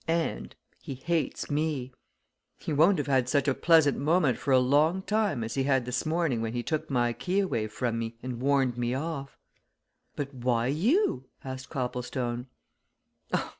And he hates me! He won't have had such a pleasant moment for a long time as he had this morning when he took my key away from me and warned me off." "But why you?" asked Copplestone.